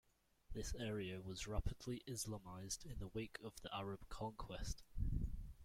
This area was rapidly Islamized in the wake of the Arab conquest.